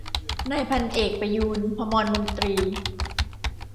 นายพันเอกประยูร ภมรมนตรี